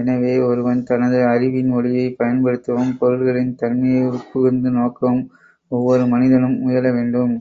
எனவே, ஒருவன் தனது அறிவின் ஒளியைப் பயன்படுத்தவும், பொருள்களின் தன்மையை உட்புகுந்து நோக்கவும், ஒவ்வொரு மனிதனும் முயல வேண்டும்.